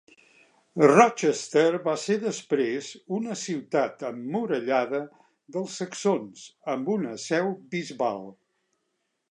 Rochester va ser després una ciutat emmurallada dels saxons, amb una seu bisbal.